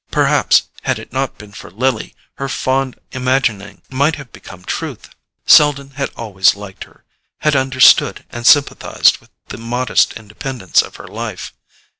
Perhaps, had it not been for Lily, her fond imagining might have become truth. Selden had always liked her—had understood and sympathized with the modest independence of her life.